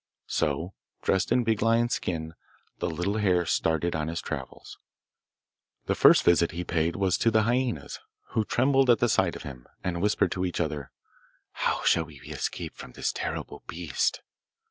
So, dressed in Big Lion's skin, the little hare started on his travels. The first visit he paid was to the hyaenas, who trembled at the sight of him, and whispered to each other, 'How shall we escape from this terrible beast?